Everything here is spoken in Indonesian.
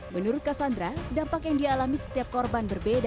menurut kassandra dampak yang dialami setiap korban